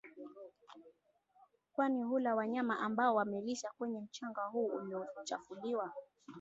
kwani hula wanyama ambao wamelisha kwenye mchanga huu uliochafuliwa